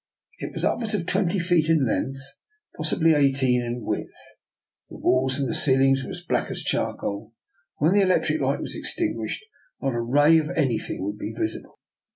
It was upwards of twenty feet in length by possibly eighteen in width. The walls and the ceilings were as black as charcoal, and, when the electric light was extinguished, not a ray of anything would be visible.